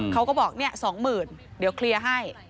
เขาก็บอก๒๐๐๐เดี๋ยวเคลียร์ให้